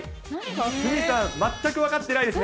鷲見さん、全く分かってないです